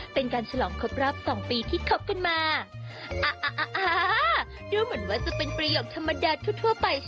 โปรดติดตามตอนต่อไป